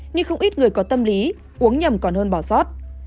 nhưng không ít người có tâm lý uống nhầm còn hơn bỏ sót